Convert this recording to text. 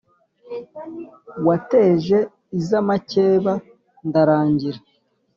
wateje iz’amakeba ndarangira.